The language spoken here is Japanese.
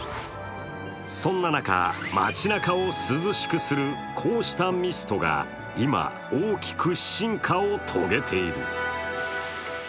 そんな中、街なかを涼しくするこうしたミストが今、大きく進化を遂げている。